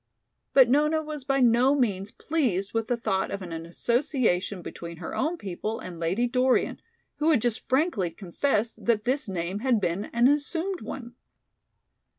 But Nona was by no means pleased with the thought of an association between her own people and Lady Dorian, who had just frankly confessed that this name had been an assumed one.